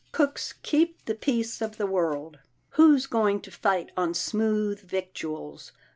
Cooks keep the peace of the world. Who's going to fight on smooth victuals?